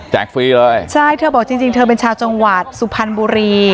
ฟรีเลยใช่เธอบอกจริงจริงเธอเป็นชาวจังหวัดสุพรรณบุรี